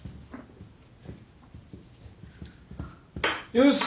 よし。